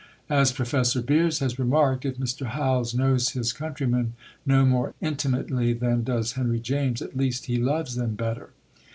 As Professor Beers has remarked, if Mr. Howells knows his countrymen no more intimately than does Henry James, at least he loves them better.